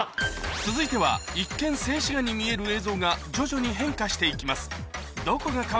続いては一見静止画に見える映像が徐々に変化していきます